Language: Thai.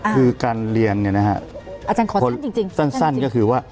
คือการเรียนนะครับสั้นก็คือว่า